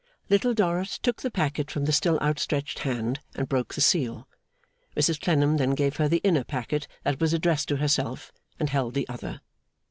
Little Dorrit took the packet from the still outstretched hand, and broke the seal. Mrs Clennam then gave her the inner packet that was addressed to herself, and held the other.